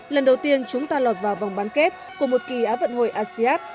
lần đầu tiên chúng ta lọt vào vòng bán kết của một kỳ áp vận hồi asean